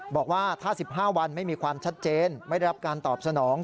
บอกว่าถ้า๑๕วันไม่มีความชัดเจนไม่ได้รับการตอบสนอง